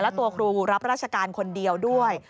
และตัวครูรับราชการคนเดียวด้วย